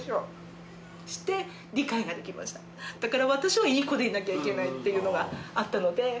だから私はいい子でいなきゃいけないっていうのがあったので。